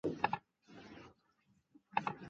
曾与杨坚同学。